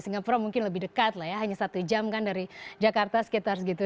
singapura mungkin lebih dekat lah ya hanya satu jam kan dari jakarta sekitar segitu